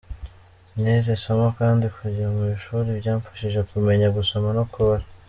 Nize isomo kandi kujya mu ishuri byamfashije kumenya gusoma no kubara.